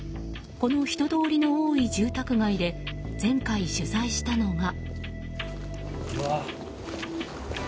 この人通りの多い住宅街で前回取材したのが。